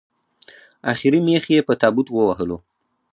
اخري مېخ یې په تابوت ووهلو